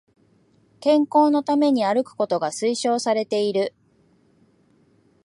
健康のために歩くことが推奨されている